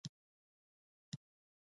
احمد په دعوه کې ټول ولس چرګه کړ.